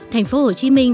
thành phố hồ chí minh